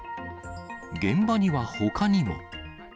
現場にはほかにも。